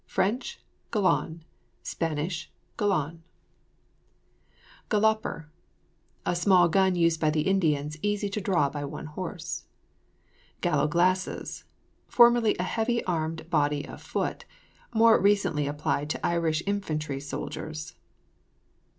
galon; Sp. galon.] GALLOPER. A small gun used by the Indians, easily drawn by one horse. GALLOW GLASSES. Formerly a heavy armed body of foot; more recently applied to Irish infantry soldiers.